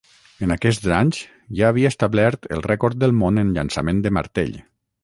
En aquests anys ja havia establert el rècord del món en llançament de martell.